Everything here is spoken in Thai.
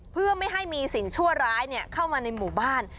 เพื่อไม่ให้มีสิ่งชั่วร้ายเข้ามาในหมู่บ้าน